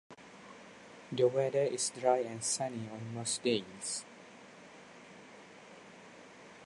The weather is dry and sunny on most days.